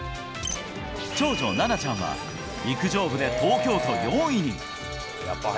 長女、ななちゃんは、陸上部で東京都４位に。